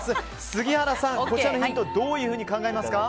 杉原さん、こちらのヒントどういうふうに考えますか。